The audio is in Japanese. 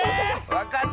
わかった！